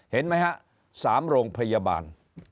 เห็นไหมฮะ๓โรงพยาบาล